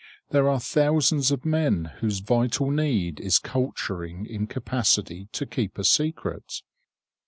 There are thousands of men whose vital need is culturing in capacity to keep a secret.